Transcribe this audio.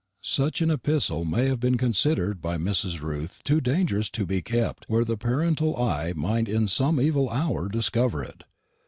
Such an epistle may have been considered by Mrs. Ruth too dangerous to be kept where the parental eye might in some evil hour discover it.